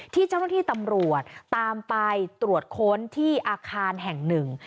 ที่เจ้าหน้าที่ตำรวจตามไปตรวจค้นที่อาคารแห่งหนึ่ง